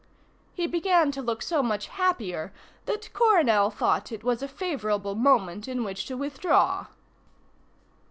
He began to look so much happier that Coronel thought it was a favourable moment in which to withdraw.